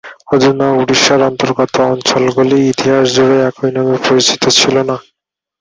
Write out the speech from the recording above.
অধুনা ওড়িশার অন্তর্গত অঞ্চলগুলি ইতিহাস জুড়ে একই নামে পরিচিত ছিল না।